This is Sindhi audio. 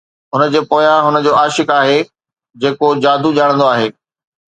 هن جي پويان هن جو عاشق آهي جيڪو جادو ڄاڻندو آهي